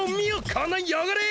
このよごれ！